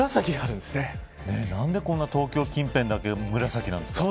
何でこんな東京近辺だけ紫なんですか。